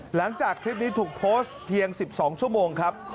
หลังจากคลิปนี้ถูกโพสต์เพียง๑๒ชั่วโมงครับ